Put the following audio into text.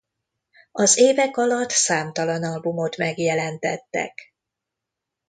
Az évek alatt számtalan albumot megjelentettek.